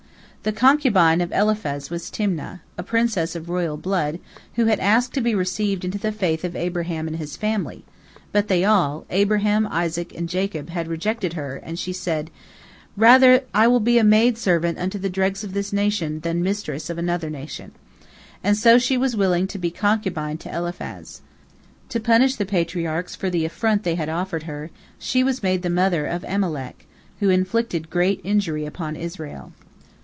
" The concubine of Eliphaz was Timna, a princess of royal blood, who had asked to be received into the faith of Abraham and his family, but they all, Abraham, Isaac, and Jacob, had rejected her, and she said, "Rather will I be a maid servant unto the dregs of this nation, than mistress of another nation," and so she was willing to be concubine to Eliphaz. To punish the Patriarchs for the affront they had offered her, she was made the mother of Amalek, who inflicted great injury upon Israel.